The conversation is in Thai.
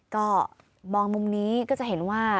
ก็มองมุมนี้ก็จะเห็นว่า